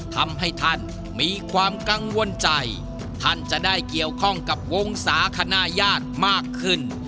ทำให้ท่านมีความกังวลใจท่านจะได้เกี่ยวข้องกับวงศาคณะญาติมากขึ้น